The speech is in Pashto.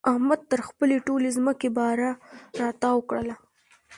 احمد تر خپلې ټولې ځمکې باره را تاو کړله.